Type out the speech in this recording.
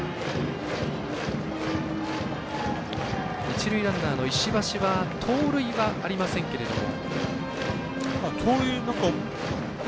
一塁ランナーの石橋は盗塁はありませんけれども。